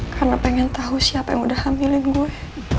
karena pengen tau siapa yang udah hamilin gue